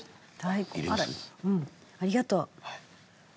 あらありがとう。